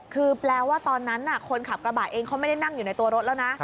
คือแปลว่าตอนนั้นคนขับกระบะเองเขาไม่ได้นั่งอยู่ในตัวรถแล้วนะ